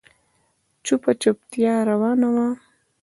چوپه چوپتيا روانه وه.